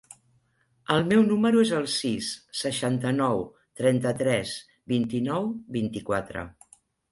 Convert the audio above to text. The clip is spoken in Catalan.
El meu número es el sis, seixanta-nou, trenta-tres, vint-i-nou, vint-i-quatre.